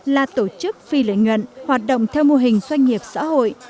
là tổ chức phi lệnh nguyện hoạt động theo mô hình doanh nghiệp xã hội